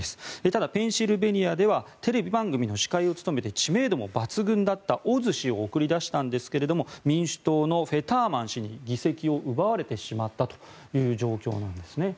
ただペンシルベニアではテレビ番組の司会を務めて知名度も抜群だったオズ氏を送り出したんですが民主党のフェターマン氏に議席を奪われてしまったという状況なんですね。